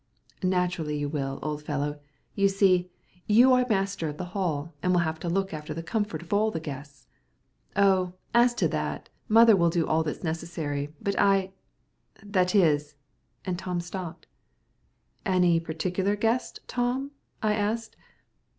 "Naturally you will, old fellow. You see, you are master of the hall, and will have to look after the comfort of all the guests." "Oh, as to that, mother will do all that's necessary; but I that is " and Tom stopped. "Any particular guest, Tom?" I asked.